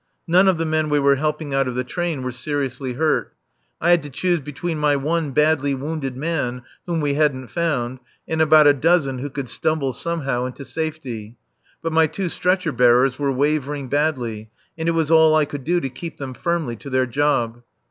None of the men we were helping out of the train were seriously hurt. I had to choose between my one badly wounded man, whom we hadn't found, and about a dozen who could stumble somehow into safety. But my two stretcher bearers were wavering badly, and it was all I could do to keep them firmly to their job.